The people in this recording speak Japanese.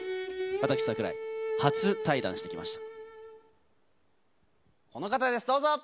私、櫻井、初対談してきました。